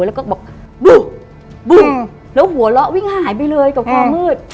แล้วก็บอกบึ้มแล้วหัวเราะวิ่งหายไปเลยกับความมืด